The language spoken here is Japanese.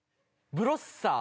ブロッサー。